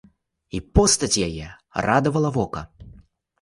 І постаць яе радавала вока.